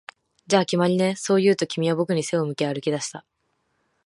「じゃあ、決まりね」、そう言うと、君は僕に背を向け歩き出した